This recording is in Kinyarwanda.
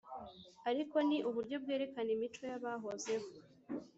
ariko ni uburyo bwerekana imico y’abahozeho,